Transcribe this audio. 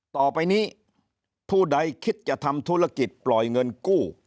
ต่อไปนี้ผู้ใดคิดจะทำธุรกิจปล่อยเงินกู้